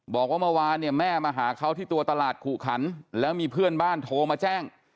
บอกว่าเมื่อวานเนี่ยแม่มาหาเขาที่ตัวตลาดขู่ขันแล้วมีเพื่อนบ้านโทรมาแจ้ง